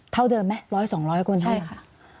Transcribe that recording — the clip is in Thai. เท่าเดิมไหม๑๐๐๒๐๐คนใช่ค่ะ